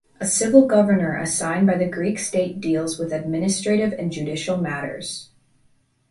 A civil governor assigned by the Greek state deals with administrative and judicial matters.